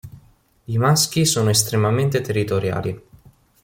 I maschi sono estremamente territoriali.